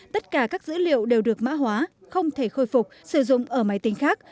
tất cả các dữ liệu đều được mã hóa không thể khôi phục sử dụng ở máy tính khác